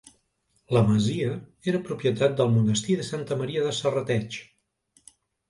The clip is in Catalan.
La masia era propietat del monestir de Santa Maria de Serrateix.